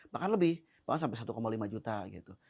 bahkan lebih bahkan sampai satu lima juta gitu